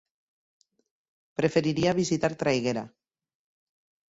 Preferiria visitar Traiguera.